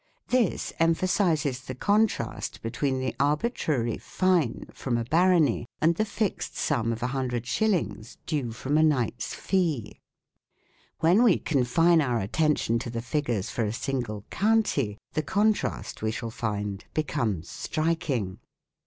This empha sizes the contrast between the arbitrary " fine " from a barony and the fixed sum of 100 shillings due from a knight's fee. When we confine our attention to the figures for a single county, the contrast, we shall find, becomes striking.